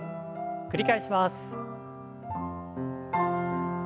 繰り返します。